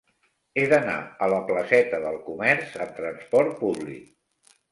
He d'anar a la placeta del Comerç amb trasport públic.